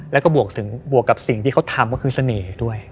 แล้วก็บวกกับสิ่งที่เขาทำก็คือเสน่ห์ด้วย